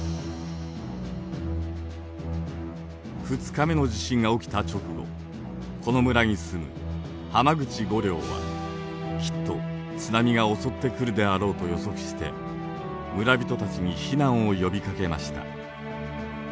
２日目の地震が起きた直後この村に住む濱口梧陵はきっと津波が襲ってくるであろうと予測して村人たちに避難を呼びかけました。